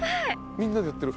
みんなでやってる。